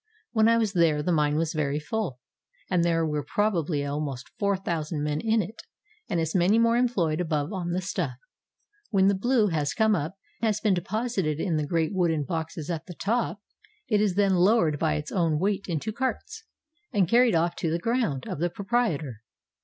When I was there the mine was very full, and there were probably almost 4000 men in it and as many more employed above on the stuff. When the "blue" has come up and been deposited in the great wooden boxes at the top, it is then lowered by its own weight into carts, and carried off to the "ground" of the proprietor.